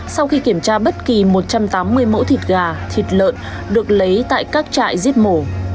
sau khi kiểm tra bất kỳ một trăm tám mươi mẫu thịt gà thịt lợn được lấy tại các trại giết mổ